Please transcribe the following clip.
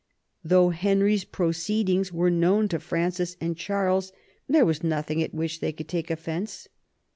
Though Henry's proceedings were known to Francis and Charles, there was nothing at which they could take offence.